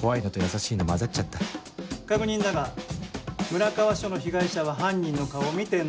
怖いのと優しいの交ざっちゃった確認だが村川署の被害者は犯人の顔を見てない？